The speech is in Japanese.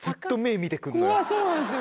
そうなんですよ。